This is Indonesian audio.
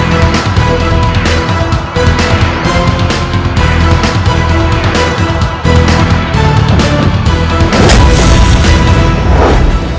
mereka akan membuatku mencari dan menentangku